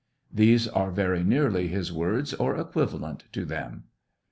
These are very nearly his words, or equivalent to them.